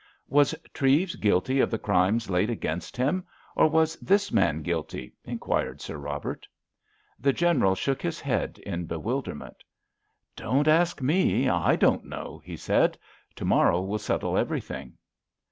"Was Treves guilty of the crimes laid against him, or was this man guilty?" inquired Sir Robert. The General shook his head in bewilderment. "Don't ask me; I don't know," he said, "to morrow will settle everything."